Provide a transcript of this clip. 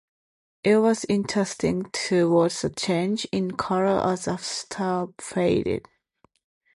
It was interesting to watch the change in color as the star faded.